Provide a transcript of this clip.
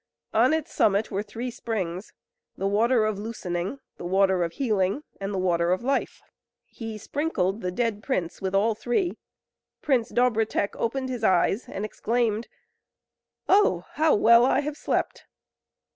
On its summit were three springs the Water of Loosening, the Water of Healing, and the Water of Life. He sprinkled the dead prince with all three; Prince Dobrotek opened his eyes, and exclaimed: "Oh! how well I have slept!"